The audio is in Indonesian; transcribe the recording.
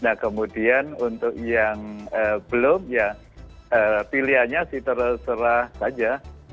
nah kemudian untuk yang belum ya pilihannya sih terserah saja